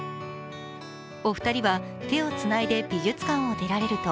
お二人は手をつないで美術館を出られると